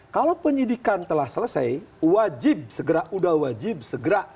kalau penyidikan telah selesai wajib segera udah wajib segera